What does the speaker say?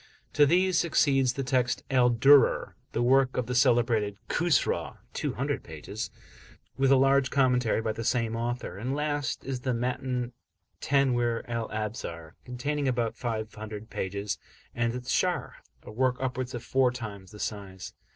To these succeeds the Text "Al Durar," the work of the celebrated Khusraw, (200 pages), with a large commentary by the same author; and last is the Matn Tanwir Al Absar, containing about 500 pages, and its Sharh, a work upwards of four times the size.